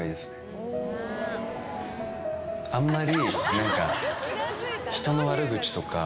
あんまり。